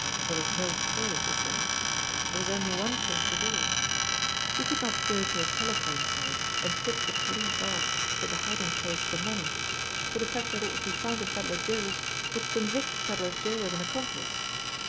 There was no choice, was there? There was only one thing to do. He could not go to a telephone, say, and tip the police off to the hiding place of the money; for the fact that it would be found in Pedler Joe's would convict Pedler Joe as an accomplice.